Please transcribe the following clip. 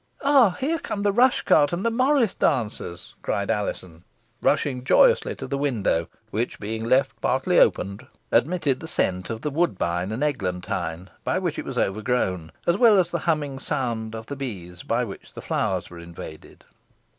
"Ah! here come the rush cart and the morris dancers," cried Alizon, rushing joyously to the window, which, being left partly open, admitted the scent of the woodbine and eglantine by which it was overgrown, as well as the humming sound of the bees by which the flowers were invaded.